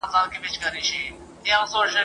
هر مضر له خپله اصله معلومیږي !.